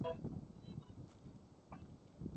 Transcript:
目前大中华各地区均无法定的母亲节。